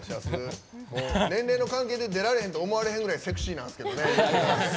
年齢の関係で出られへんと思えないぐらいセクシーなんですけどね。